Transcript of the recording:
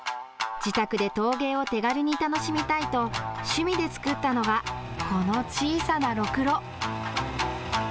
自宅で陶芸を手軽に楽しみたいと趣味で作ったのがこの小さなろくろ。